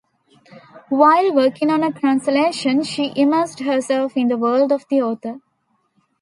While working on a translation, she immersed herself in the world of the author.